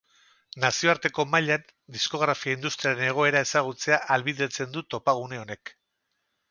Nazioarteko mailan diskografia industriaren egoera ezagutzea ahalbidetzen du topagune honek.